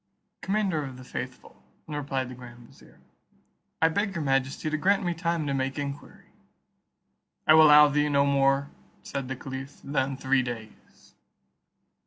"Commander of the faithful," replied the grand vizier, "I beg your majesty to grant me time to make enquiry." "I will allow thee no more," said the caliph, "than three days."